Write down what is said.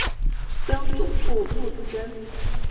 曾祖父陆子真。